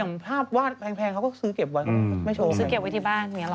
อย่างภาพวาดแพงเขาก็ซื้อเก็บไว้ไม่โชว์ซื้อเก็บไว้ที่บ้านอย่างนี้หรอ